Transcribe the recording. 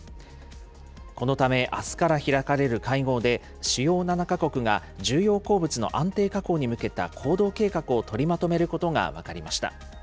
このためあすから開かれる会合で、主要７か国が重要鉱物の安定確保に向けた行動計画を取りまとめることが分かりました。